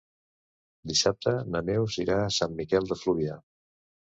Dissabte na Neus irà a Sant Miquel de Fluvià.